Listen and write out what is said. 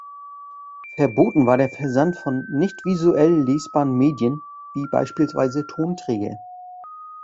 Verboten war der Versand von „nicht visuell lesbaren Medien“ wie beispielsweise Tonträger.